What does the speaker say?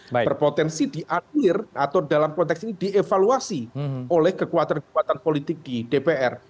yang berpotensi dianulir atau dalam konteks ini dievaluasi oleh kekuatan kekuatan politik di dpr